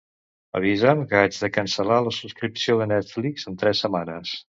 Avisa'm que haig de cancel·lar la subscripció de Netflix en tres setmanes.